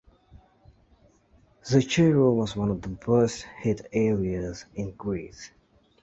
Zacharo was one of the worst-hit areas in Greece.